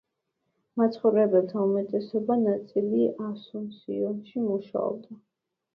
მაცხოვრებელთა უმეტესი ნაწილი ასუნსიონში მუშაობს.